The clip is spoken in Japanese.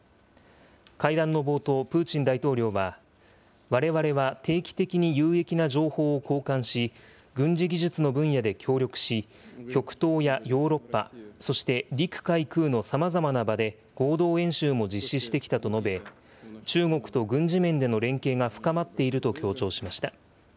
会談の冒頭、プーチン大統領は、われわれは定期的に有益な情報を交換し、軍事技術の分野で協力し、極東やヨーロッパ、そして陸海空のさまざまな場で合同演習も実施してきたと述べ、中国と軍事面での連携が深まっていると強調しました。